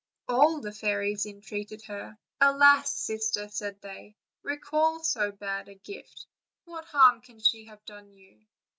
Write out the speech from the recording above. All the fairies entreated her: "Alas! sister, "said they, "recall so bad a gift; what harm can she have done you?"